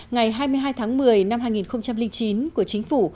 ngày hai mươi hai tháng một mươi năm hai nghìn một mươi